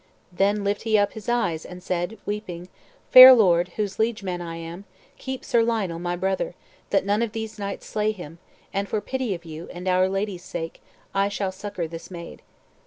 Then lift he up his eyes and said, weeping, "Fair Lord, whose liegeman I am, keep Sir Lionel, my brother, that none of these knights slay him, and for pity of you, and our Lady's sake, I shall succor this maid."